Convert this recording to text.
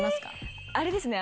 あれですね